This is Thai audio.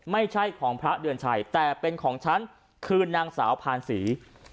ไม่ใช่ของพระเดือนชัยแต่เป็นของฉันคือนางสาวพานศรี